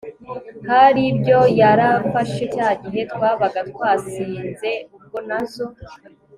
hari ibyo yarafashe cya gihe twabaga twasinze ubwo nazo